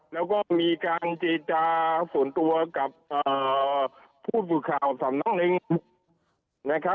แล้วก็มีการเจจาส่วนตัวกับผู้บุคค่าสำนักเรียน